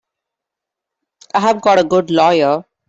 I've got a good lawyer.